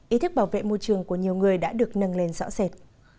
ý thức bảo vệ môi trường của nhiều người đã được nâng lên rõ rệt